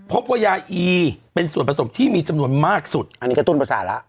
พบว่ายาอีเป็นส่วนผสมที่มีจำนวนมากสุดอันนี้กระตุ้นประสาทแล้ว